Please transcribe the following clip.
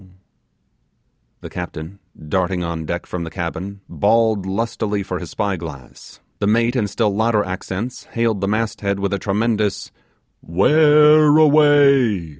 The captain, darting on deck from the cabin, bawled lustily for his spy glass; the mate in still louder accents hailed the masthead with a tremendous 'where away?